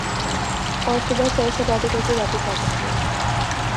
اور صبح سیر سپاٹا کر کے واپس آ جائیں گے ۔